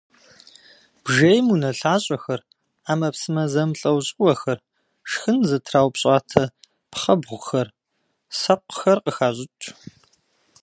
Бжейм унэлъащӏэхэр, ӏэмэпсымэ зэмылӏэужьыгъуэхэр, шхын зытраупщӏатэ пхъэбгъухэр, сэкъухэр къыхащӏыкӏ.